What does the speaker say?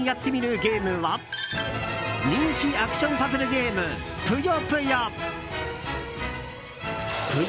ゲームは人気アクションパズルゲーム「ぷよぷよ」。